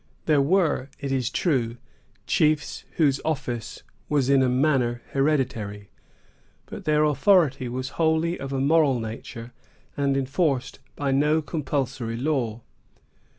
There were, it is true, chiefs whose office was in a manner hereditary; but their authority was wholly of a moral nature, and enforced by no compulsory law.